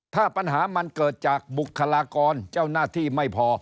ถ้าปัญหามันเกิดจากบุคลากรเจ้าหน้าที่ไม่พอ